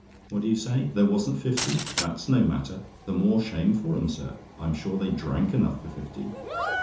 What do you say? "THERE WASN'T FIFTY? "That's no matter; the more shame for 'em, sir. I'm sure they drank enough for fifty.